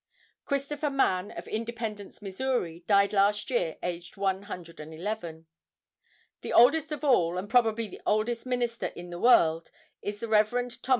Christopher Mann, of Independence, Missouri, died last year, aged 111. The oldest of all, and probably the oldest minister in the world, is Rev. Thos.